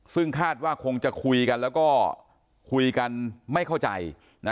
ซึ่งคาดว่าคงจะคุยกันแล้วก็คุยกันไม่เข้าใจ